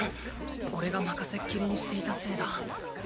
おれが任せっきりにしていたせいだごめん。